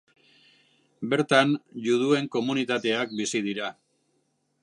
Bertan juduen komunitateak bizi dira.